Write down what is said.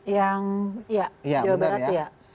yang jawa barat ya